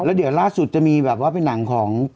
แล้วเดี๋ยวล่าสุดจะมีแบบว่าเป็นหนังของ